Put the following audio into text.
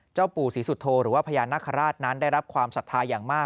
ปู่ศรีสุโธหรือว่าพญานาคาราชนั้นได้รับความศรัทธาอย่างมาก